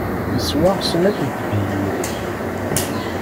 Yeswa snat n tebyirin.